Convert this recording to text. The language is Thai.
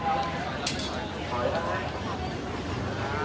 นะครับ